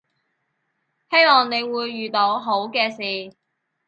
希望你會遇到好嘅事